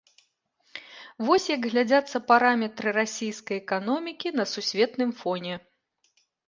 Вось як глядзяцца параметры расійскай эканомікі на сусветным фоне.